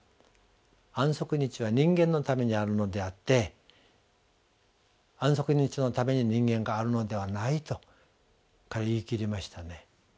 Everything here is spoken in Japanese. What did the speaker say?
「安息日は人間のためにあるのであって安息日のために人間があるのではない」と彼は言い切りましたね。